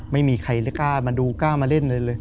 ไม่มีใครกล้ามาดูกล้ามาเล่นอะไรเลย